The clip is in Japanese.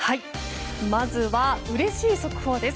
まずはうれしい速報です。